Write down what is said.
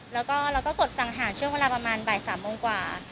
แล้วก็เราก็กดสังหารช่วงเวลาประมาณบ่าย๓โมงกว่า